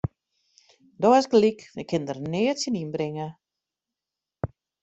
Do hast gelyk, ik kin der neat tsjin ynbringe.